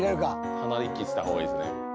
鼻息した方がいいですね。